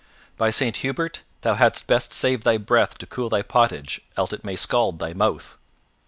By Saint Hubert, thou hadst best save thy breath to cool thy pottage, else it may scald thy mouth."